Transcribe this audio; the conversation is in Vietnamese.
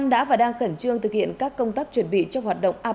đây là những bức tranh rất là sinh động